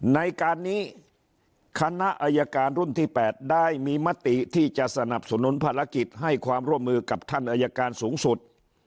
ในการนี้คณะอายการรุ่นที่๘ได้มีมติที่จะสนับสนุนภารกิจให้ความร่วมมือกับท่านอายการสูงสุด